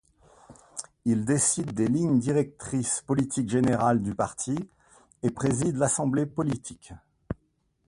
Il décide des lignes directrices politiques générales du parti et préside l’Assemblée politique.